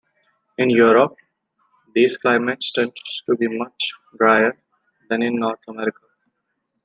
In Europe, these climates tend to be much drier than in North America.